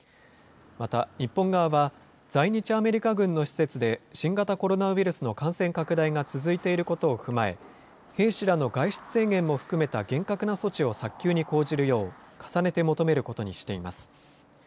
また日本側は、在日アメリカ軍の施設で新型コロナウイルスの感染拡大が続いていることを踏まえ、兵士らの外出制限も含めた厳格な措置を早急に講じるよう、重ねて求めることにしています。